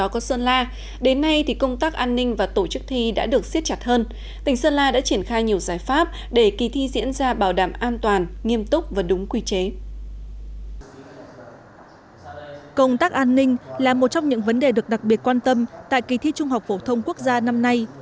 công tác an ninh là một trong những vấn đề được đặc biệt quan tâm tại kỳ thi trung học phổ thông quốc gia năm nay